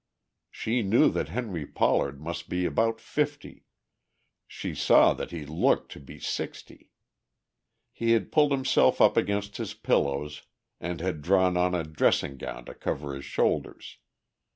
She knew that Henry Pollard must be about fifty; she saw that he looked to be sixty. He had pulled himself up against his pillows and had drawn on a dressing gown to cover his shoulders.